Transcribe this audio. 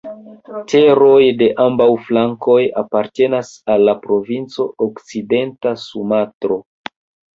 Teroj de ambaŭ flankoj apartenas al la provinco Okcidenta Sumatro.